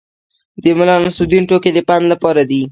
د ملانصرالدین ټوکې د پند لپاره دي.